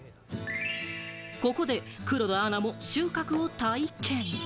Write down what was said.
ここで黒田アナも収穫を体験。